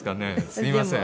すみません。